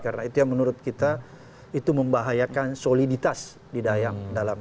karena itu yang menurut kita itu membahayakan soliditas di dayam dalam